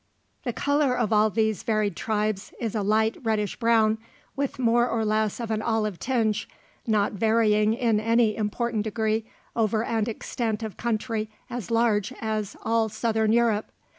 The colour of all these varied tribes is a light reddish brown, with more or less of an olive tinge, not varying in any important degree over an extent of country as large as all Southern Europe.